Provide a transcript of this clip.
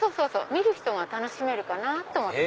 見る人が楽しめるかなと思って。